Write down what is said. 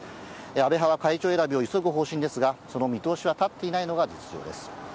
安倍派は会長選びを急ぐ方針ですが、その見通しは立っていないのが実情です。